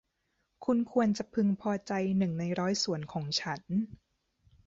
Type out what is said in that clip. คุณควรจะพึงพอใจหนึ่งในร้อยส่วนของฉัน